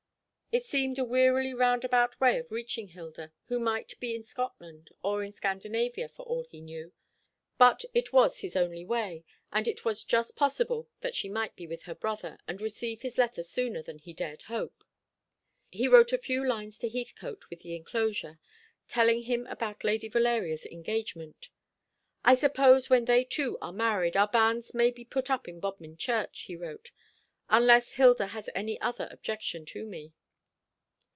It seemed a wearily roundabout way of reaching Hilda, who might be in Scotland or in Scandinavia for all he knew; but it was his only way, and it was just possible that she might be with her brother, and receive his letter sooner than he dared hope. He wrote a few lines to Heathcote with the enclosure, telling him about Lady Valeria's engagement. "I suppose when they two are married our banns may be put up in Bodmin Church," he wrote; "unless Hilda has any other objection to me."